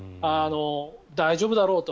大丈夫だろうと。